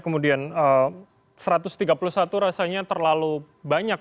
kemudian satu ratus tiga puluh satu rasanya terlalu banyak